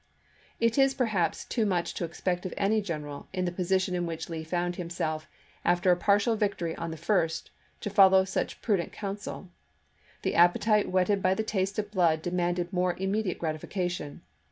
It is, perhaps, too much to expect of any general, in the position in which Lee found himself, after a partial victory on the 1st, to follow such prudent counsel. The appetite whetted by the taste of blood demanded more immediate grati fication.